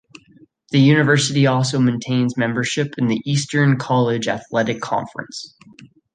The university also maintains membership in the Eastern College Athletic Conference.